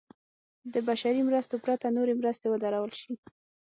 د بشري مرستو پرته نورې مرستې ودرول شي.